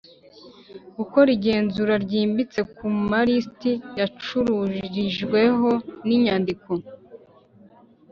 Gukora igenzura ryimbitse ku malisiti yacururijweho n inyandiko